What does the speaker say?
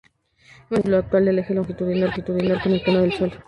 Muestran el ángulo actual del eje longitudinal con el plano del suelo.